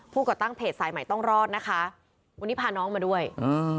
ก่อตั้งเพจสายใหม่ต้องรอดนะคะวันนี้พาน้องมาด้วยอ่า